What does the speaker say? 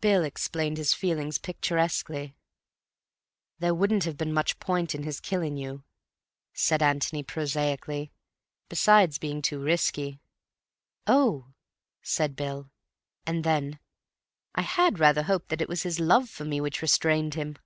Bill explained his feelings picturesquely. "There wouldn't have been much point in his killing you," said Antony prosaically. "Besides being too risky." "Oh!" said Bill. And then, "I had rather hoped that it was his love for me which restrained him."